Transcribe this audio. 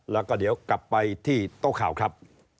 แล้วก็เดี๋ยวกลับไปที่โต๊ะข่าวครับ